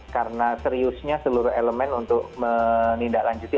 karena seriusnya seluruh elemen untuk menindaklanjuti